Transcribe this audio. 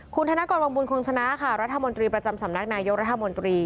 คุณธนกรวังบุญคงชนะค่ะรัฐมนตรีประจำสำนักนายกรัฐมนตรี